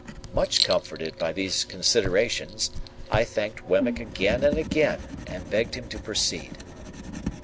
Much comforted by these considerations, I thanked Wemmick again and again, and begged him to proceed.